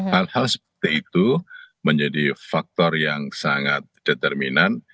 hal hal seperti itu menjadi faktor yang sangat determinan